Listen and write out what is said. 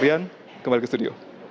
rian kembali ke studio